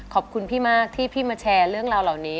ขอบคุณพี่มากที่พี่มาแชร์เรื่องราวเหล่านี้